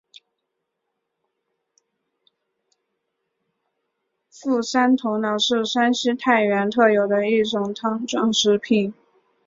傅山头脑是山西太原特有的一种汤状食品。